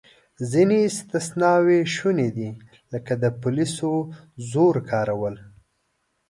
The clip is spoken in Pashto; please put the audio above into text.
ځینې استثناوې شونې دي، لکه د پولیسو زور کارول.